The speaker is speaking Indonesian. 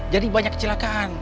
jadi banyak kecelakaan